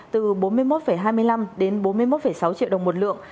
từ bốn mươi một hai mươi năm đến bốn mươi một sáu triệu đồng một lượng